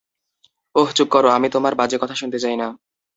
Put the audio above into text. ওহ, চুপ করো, আমি তোমার, বাজে কথা শুনতে চাই না।